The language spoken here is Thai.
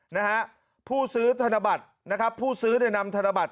นะฮะผู้ซื้อธนบัตรนะครับผู้ซื้อเนี่ยนำธนบัตร